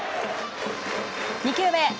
２球目。